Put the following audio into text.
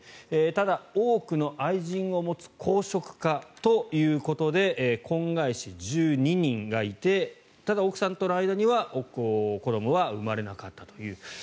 ただ、多くの愛人を持つ好色家ということで婚外子１２人がいてただ、奥さんとの間には子どもは生まれなかったという。